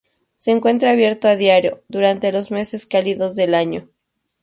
Se encuentra abierto a diario durante los meses cálidos del año.